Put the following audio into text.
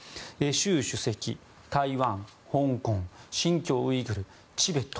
習主席、台湾、香港新疆ウイグル、チベット。